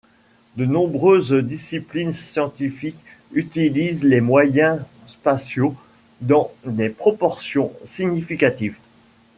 De nombreuses disciplines scientifiques utilisent les moyens spatiaux dans des proportions significatives.